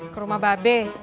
ke rumah babe